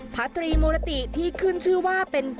พระตรีมูลติที่ขึ้นชื่อว่าเป็น